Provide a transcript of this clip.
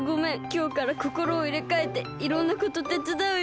きょうからこころをいれかえていろんなことてつだうよ。